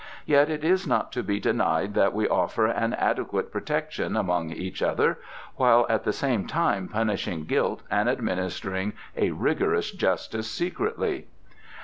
"Yet it is not to be denied that we offer an adequate protection among each other, while at the same time punishing guilt and administering a rigorous justice secretly."